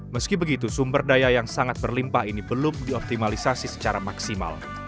meski begitu sumber daya yang sangat berlimpah ini belum dioptimalisasi secara maksimal